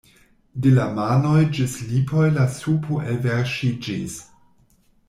De la manoj ĝis lipoj la supo elverŝiĝis.